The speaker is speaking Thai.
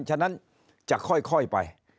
ฉะนั้นจะค่อยไป